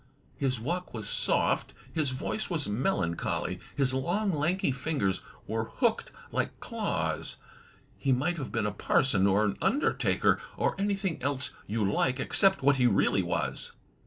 His walk was sofj;; his voice was melancholy; his long, lanky fingers were hooked like claws. He might have been a parson, or an imdertaker, or anything else you like, except what he really was.